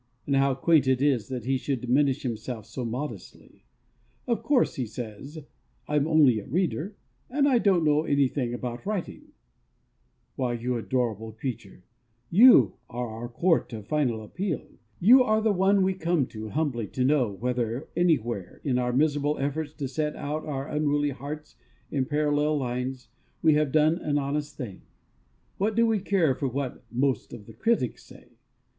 And how quaint it is that he should diminish himself so modestly. "Of course" (he says), "I'm only a Reader, and I don't know anything about writing " Why, you adorable creature, You are our court of final appeal, you are the one we come to, humbly, to know whether, anywhere in our miserable efforts to set out our unruly hearts in parallel lines, we have done an honest thing. What do we care for what (most of) the critics say?